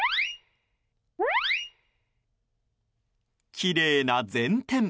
きれいな前転。